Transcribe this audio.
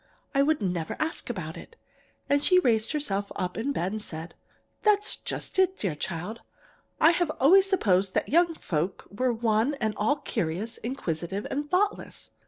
I would never ask about it. And she raised herself up in bed, and said: "'That's just it, dear child. I have always supposed that young folks were one and all curious, inquisitive, and thoughtless.